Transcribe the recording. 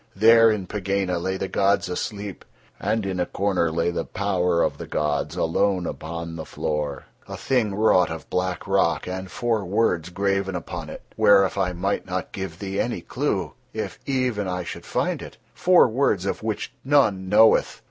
There in Pegāna lay the gods asleep, and in a corner lay the Power of the gods alone upon the floor, a thing wrought of black rock and four words graven upon it, whereof I might not give thee any clue, if even I should find it—four words of which none knoweth.